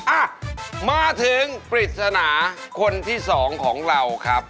อ่ะมาถึงปริศนาคนที่สองของเราครับ